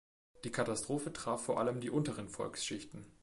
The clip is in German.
Die Katastrophe traf vor allem die unteren Volksschichten.